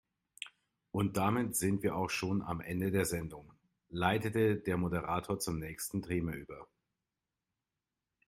Und damit sind wir auch schon am Ende der Sendung, leitete der Moderator zum nächsten Thema über.